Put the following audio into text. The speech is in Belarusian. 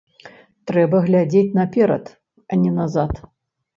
Трэба глядзець наперад, а не назад.